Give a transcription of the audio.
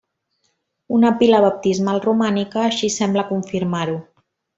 Una pila baptismal romànica així sembla confirmar-ho.